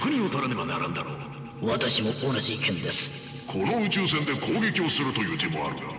この宇宙船で攻撃をするという手もあるが。